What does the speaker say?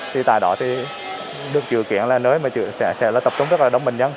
thì tại đó thì được chủ kiện là nơi mà sẽ là tập trung rất là đông bệnh nhân